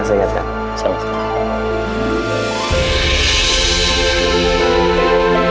selamat selesai nga